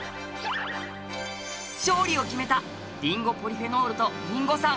勝利を決めたリンゴポリフェノールとリンゴ酸。